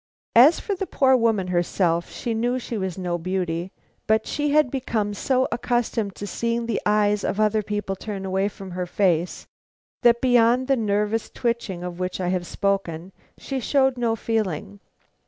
As for the poor woman herself, she knew she was no beauty, but she had become so accustomed to seeing the eyes of other people turn away from her face, that beyond the nervous twitching of which I have spoken, she showed no feeling.